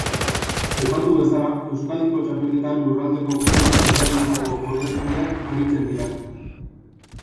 Aipatu bezala, Euskadiko txapelketan lurraldeko klub desberdinetako ordezkariak aritzen dira.